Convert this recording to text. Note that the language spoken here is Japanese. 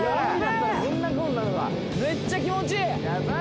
めっちゃ気持ちいい！